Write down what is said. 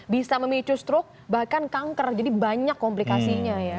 bisa memicu stroke bahkan kanker jadi banyak komplikasinya ya